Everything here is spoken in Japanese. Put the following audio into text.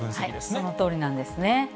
そのとおりなんですね。